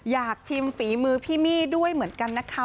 อยากชิมฝีมือพี่มี่ด้วยเหมือนกันนะคะ